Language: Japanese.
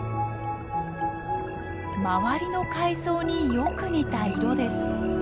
周りの海藻によく似た色です。